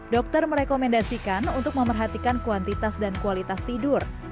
dokter merekomendasikan untuk memerhatikan kuantitas dan kualitas tidur